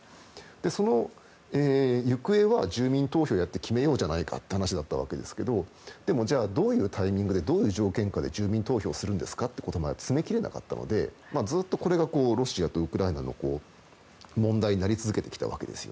その行方は住民投票をやって決めようじゃないかって話だったわけですけどでも、どういうタイミングでどういう条件下で住民投票するんですかというところまで詰め切れなかったのでずっとこれがロシアとウクライナの問題になり続けてきたわけです。